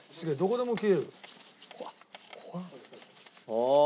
ああ。